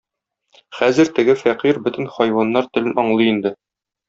Хәзер теге фәкыйрь бөтен хайваннар телен аңлый инде.